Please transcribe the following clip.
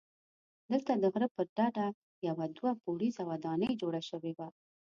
دلته د غره پر ډډه یوه دوه پوړیزه ودانۍ جوړه شوې وه.